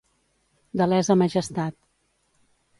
De lesa majestat.